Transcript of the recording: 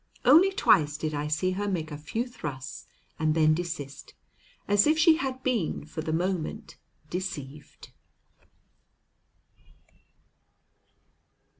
Only twice did I see her make a few thrusts and then desist, as if she had been for the moment deceived.